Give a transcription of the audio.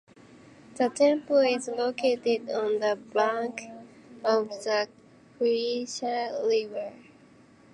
The temple is located on the bank of the Krishna River.